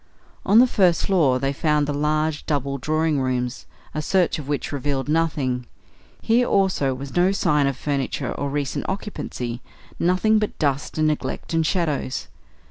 On the first floor they found the large double drawing rooms, a search of which revealed nothing. Here also was no sign of furniture or recent occupancy; nothing but dust and neglect and shadows.